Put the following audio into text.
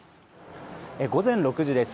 午前６時です。